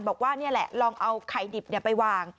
บอกว่านี่แหละลองเอาไข่ดิบไปวาง